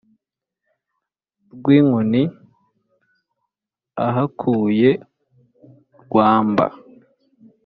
rwinkoni ahakuye rwamba.